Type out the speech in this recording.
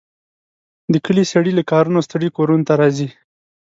د کلي سړي له کارونو ستړي کورونو ته راځي.